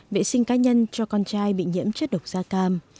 vệ sinh cá nhân cho con trai bị nhiễm chất độc da cam